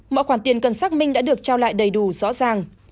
mọi khoản tiền cần xác minh đã được trao lại đầy đủ rõ ràng